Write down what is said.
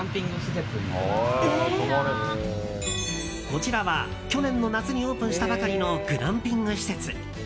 こちらは去年の夏にオープンしたばかりのグランピング施設。